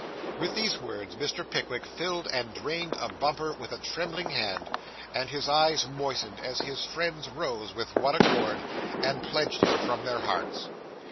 With these words, Mr. Pickwick filled and drained a bumper with a trembling hand; and his eyes moistened as his friends rose with one accord, and pledged him from their hearts.